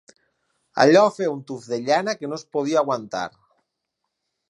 Allò feia un tuf de llana que no es podia aguantar.